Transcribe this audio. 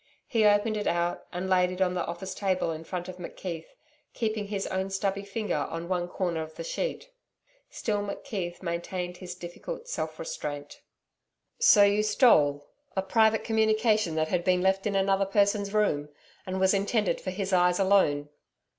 He opened it out, and laid it on the office table in front of McKeith, keeping his own stubby finger on one corner of the sheet. Still McKeith maintained his difficult self restraint. 'So you stole a private communication that had been left in another person's room, and was intended for his eyes alone?'